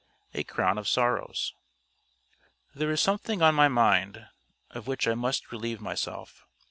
A CROWN OF SORROWS There is something on my mind, of which I must relieve myself.